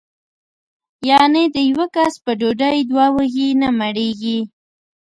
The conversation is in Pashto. یعنې د یوه کس په ډوډۍ دوه وږي نه مړېږي.